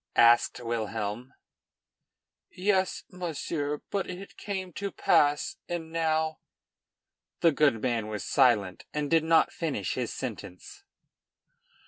asked Wilhelm. "Yes, monsieur, but it came to pass, and now " The good man was silent, and did not finish his sentence.